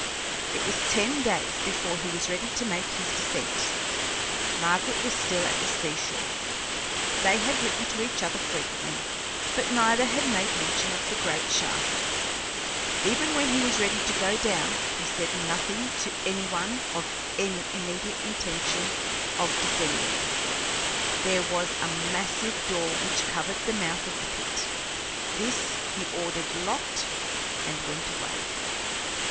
It was ten days before he was ready to make his descent. Margaret was still at the sea shore. They had written to each other frequently, but neither had made mention of the great shaft. Even when he was ready to go down he said nothing to any one of any immediate intention of descending. There was a massive door which covered the mouth of the pit; this he ordered locked and went away.